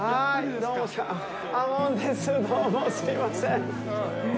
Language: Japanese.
どうも、すいません。